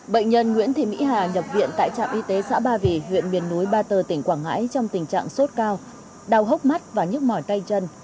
bệnh nhân nguyễn thị mỹ hà nhập viện tại trạm y tế xã ba vì huyện miền núi ba tờ tỉnh quảng ngãi trong tình trạng sốt cao đau hốc mắt và nhức mỏi tay chân